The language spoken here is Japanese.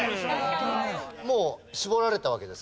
もう絞られたわけですか？